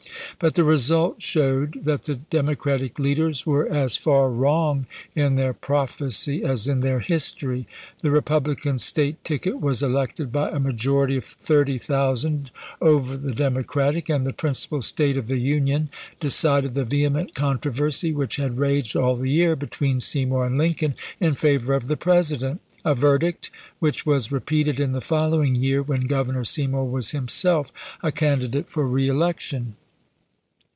But the result showed that the Demo cratic leaders were as far wrong in their prophecy as in their history. The Republican State ticket was elected by a majority of thirty thousand over the Democratic, and the principal State of the Union decided the vehement controversy, which had raged all the year between Seymour and Lincoln, in favor of the President — a verdict which was repeated in the following year when Governor Seymour was himself a candidate for reelection.